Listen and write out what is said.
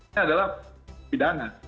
ini adalah pidana